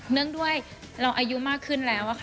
เนื่องด้วยเราอายุมากขึ้นแล้ว